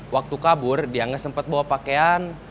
waktu kabur dia gak sempat bawa pakaian